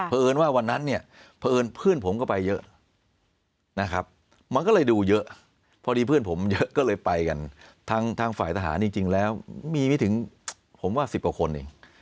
เพราะเอิญว่าวันนั้นเนี่ยเผอิญเพื่อนผมก็ไปเยอะนะครับมันก็เลยดูเยอะพอดีเพื่อนผมเยอะก็เลยไปกันทางฝ่ายทหารจริงแล้วมีไม่ถึงผมว่า๑๐กว่าคนเอง